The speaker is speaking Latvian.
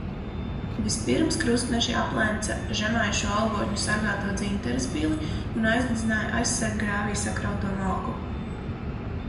Vispirms krustneši aplenca žemaišu algotņu sargāto Dzintares pili un aizdedzināja aizsarggrāvī sakrauto malku.